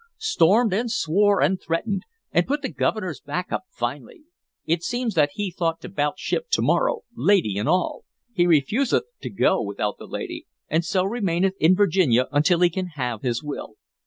Stormed and swore and threatened, and put the Governor's back up finely. It seems that he thought to 'bout ship to morrow, lady and all. He refuseth to go without the lady, and so remaineth in Virginia until he can have his will.